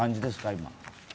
今。